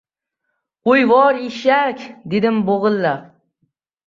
— Qo‘yvor, eshak! — dedim bo‘g‘ilib.